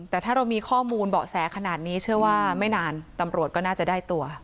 แต่ถ้าเรามีข้อมูลเบาะแสขนาดนี้เชื่อว่าไม่นานตำรวจก็น่าจะได้ตัว